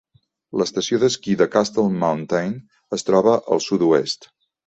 L'estació d'esquí de Castle Mountain es troba al sud-oest.